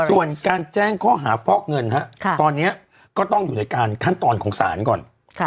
ส่วนการแจ้งข้อหาฟอกเงินตอนนี้ก็ต้องอยู่ในการขั้นตอนของศาลก่อน